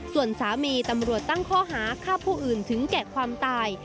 ส่วนสามีตำรวจตั้งข้อหาฆ่าผู้อื่นถึงแก่ความตาย